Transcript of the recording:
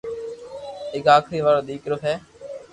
ايڪ آخري وارو ديڪرو ھي